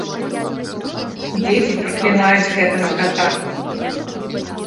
Дзеці праклінаюць гэтага ката.